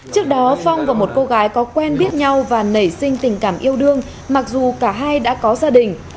trước đó phong và một cô gái có quen biết nhau và nảy sinh tình cảm yêu đương mặc dù cả hai đã có gia đình